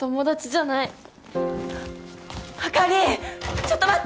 ちょっと待って！